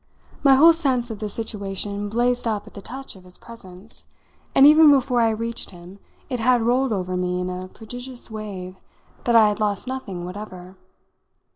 My whole sense of the situation blazed up at the touch of his presence, and even before I reached him it had rolled over me in a prodigious wave that I had lost nothing whatever.